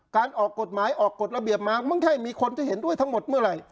ออกกฎหมายออกกฎระเบียบมามึงใช่มีคนที่เห็นด้วยทั้งหมดเมื่อไหร่